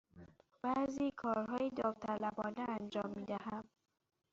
بعضی کارهای داوطلبانه انجام می دهم.